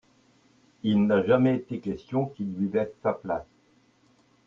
il n'a jamais été question qu'il lui laisse sa place.